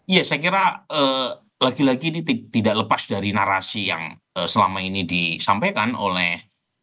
ya saya kira lagi lagi ini tidak lepas dari narasi yang selama ini disampaikan oleh